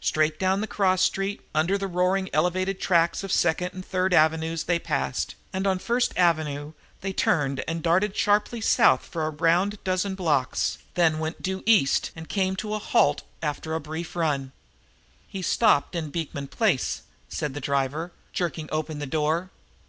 Straight down the cross street, under the roaring elevated tracks of Second and Third Avenues, they passed, and on First Avenue they turned and darted sharply south for a round dozen blocks, then went due east and came, to a halt after a brief run. "He's stopped in Beekman Place," said the driver, jerking open the door.